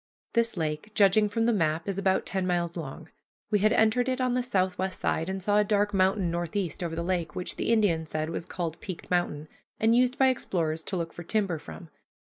This lake, judging from the map, is about ten miles long. We had entered it on the southwest side, and saw a dark mountain northeast over the lake which the Indian said was called Peaked Mountain, and used by explorers to look for timber from.